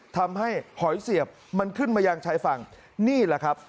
ทำให้หอยเสียบมันขึ้นมายังใช้ฝั่งนี่แหละครับ